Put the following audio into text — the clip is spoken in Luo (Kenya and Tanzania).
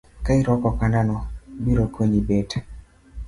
Ka irwako okanda no, biro konyi bet